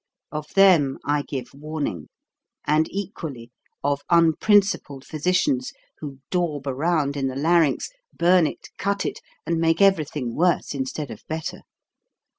Of them I give warning! and equally, of unprincipled physicians who daub around in the larynx, burn it, cut it, and make every thing worse instead of better.